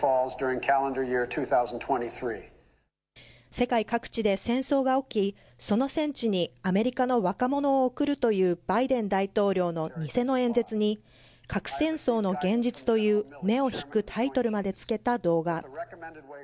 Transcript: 世界各地で戦争が起き、その戦地にアメリカの若者を送るというバイデン大統領の偽の演説に、核戦争の現実という目を引くタイトルまで付けた動画。